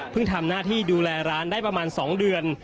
ทำหน้าที่ดูแลร้านได้ประมาณ๒เดือน